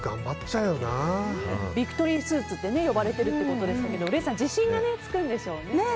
ビクトリースーツと呼ばれているということですが礼さん、自信がつくんでしょうね。